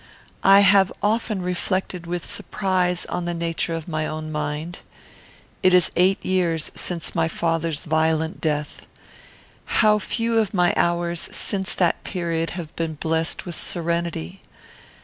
"I have often reflected with surprise on the nature of my own mind. It is eight years since my father's violent death. How few of my hours since that period have been blessed with serenity!